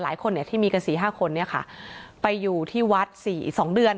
หลายคนเนี่ยที่มีกันสี่ห้าคนเนี่ยค่ะไปอยู่ที่วัดสี่สองเดือน